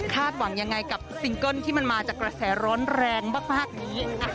หวังยังไงกับซิงเกิ้ลที่มันมาจากกระแสร้อนแรงมากนี้